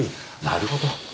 なるほど。